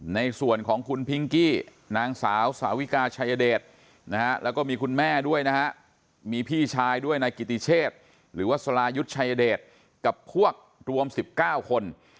ในส่วนของคุณพิงกี้นางสาวสาวิกาชัยเดชนะฮะแล้วก็มีคุณแม่ด้วยนะฮะมีพี่ชายด้วยนายกิติเชษหรือว่าสรายุทธ์ชายเดชกับพวกรวม๑๙คน